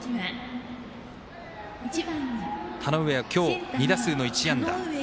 田上は今日２打数の１安打。